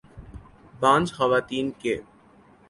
بانجھ خواتین کے